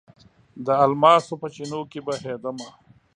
د الماسو په چېنو کې بهیدمه